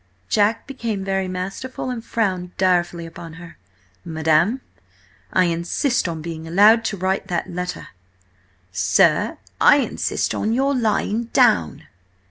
Jack became very masterful and frowned direfully upon her. "Madam, I insist on being allowed to write that letter!" "Sir, I insist on your lying down!"